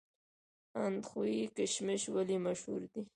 اندخوی کشمش ولې مشهور دي؟